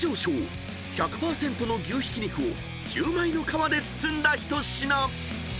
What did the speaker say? １００％の牛ひき肉をシュウマイの皮で包んだ一品］